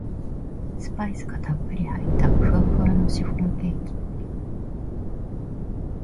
スパイスがたっぷり入ったふわふわのシフォンケーキ